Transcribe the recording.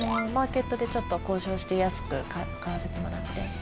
マーケットでちょっと交渉して安く買わせてもらって。